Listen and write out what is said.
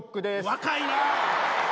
若いなぁ。